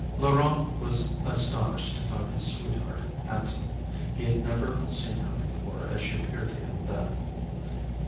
Laurent was astonished to find his sweetheart handsome. He had never seen her before as she appeared to him then.